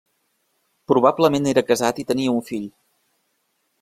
Probablement era casat i tenia un fill.